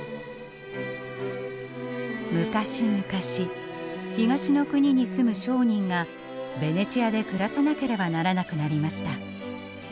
昔々東の国に住む商人がベネチアで暮らさなければならなくなりました。